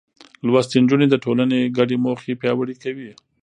لوستې نجونې د ټولنې ګډې موخې پياوړې کوي.